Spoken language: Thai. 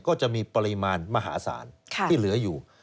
ก็จะมีปริมาณมหาศาลที่เหลืออยู่